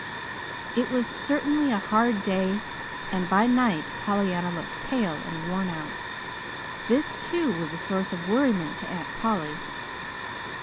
It was certainly a hard day, and by night Pollyanna looked pale and worn out. This, too, was a source of worriment to Aunt Polly.